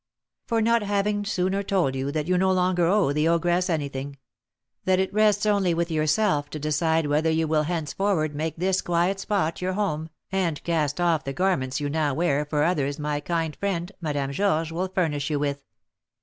"For not having sooner told you that you no longer owe the ogress anything; that it rests only with yourself to decide whether you will henceforward make this quiet spot your home, and cast off the garments you now wear for others my kind friend, Madame Georges, will furnish you with.